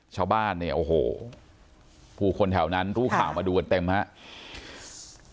ชาวบ้านเนี่ยโอ้โหผู้คนแถวนั้นรู้ข่าวมาดูกันเต็มครับ